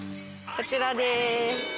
こちらです。